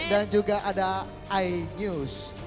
dan juga ada inews